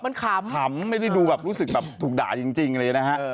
มันขำขำไม่ได้ดูแบบรู้สึกแบบถูกด่าจริงอะไรอย่างนี้นะฮะ